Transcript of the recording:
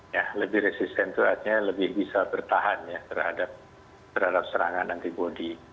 ya lebih resisten itu artinya lebih bisa bertahan ya terhadap serangan antibody